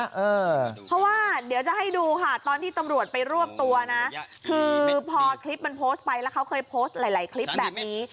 เพราะว่าเดี๋ยวจะให้ดูค่ะตอนที่ตำรวจไปรวบตัวนะคือพอคลิปมันโพสต์ไปแล้วเขาเคยโพสต์หลายหลายคลิปแบบนี้